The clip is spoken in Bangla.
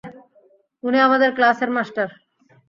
উনি আমাদের ক্লাসের মাস্টার।